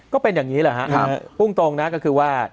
ก็เป็นอย่างนี้หรอหุ้งตรงนะก็คือว่า